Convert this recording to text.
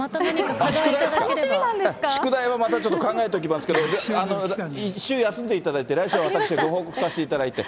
宿題は、またちょっと考えておきますけれども、１週休んでいただいて、来週は私、ご報告させていただいて。